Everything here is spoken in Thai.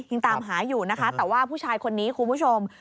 ยังตามหาอยู่นะคะแต่ว่าผู้ชายคนนี้คุณผู้ชม